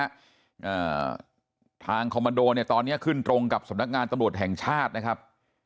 อ่าทางคอมมันโดเนี่ยตอนเนี้ยขึ้นตรงกับสำนักงานตำรวจแห่งชาตินะครับ